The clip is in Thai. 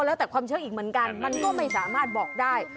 แล้วแต่ความเชื่ออีกเหมือนกันมันก็ไม่สามารถบอกได้